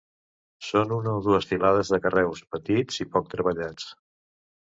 Són una o dues filades de carreus petits i poc treballats.